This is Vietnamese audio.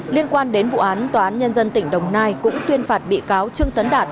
liên quan đến vụ án tòa án nhân dân tỉnh đồng nai cũng tuyên phạt bị cáo trương tấn đạt